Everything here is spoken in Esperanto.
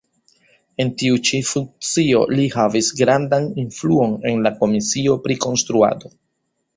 En tiu ĉi funkcio li havis grandan influon en la komisio pri konstruado.